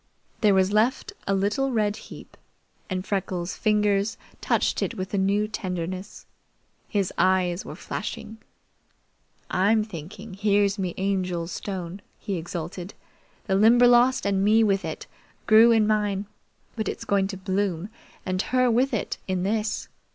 There was left a little red heap, and Freckles' fingers touched it with a new tenderness. His eyes were flashing. "I'm thinking here's me Angel's stone," he exulted. "The Limberlost, and me with it, grew in mine; but it's going to bloom, and her with it, in this!